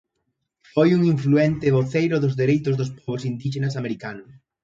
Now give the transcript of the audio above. Foi un influente voceiro dos dereitos dos pobos indíxenas americanos.